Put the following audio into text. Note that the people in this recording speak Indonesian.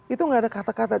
itu gak ada kata kata